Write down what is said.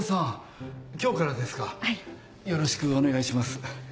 よろしくお願いします。